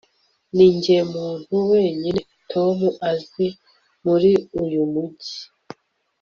ninjye muntu wenyine tom azi muri uyu mujyi